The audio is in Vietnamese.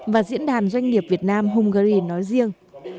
và diễn đàn doanh nghiệp việt nam hungary nói riêng